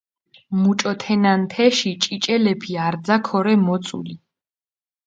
მუჭო თენან თეში ჭიჭელეფი არძა ქორე მოწული.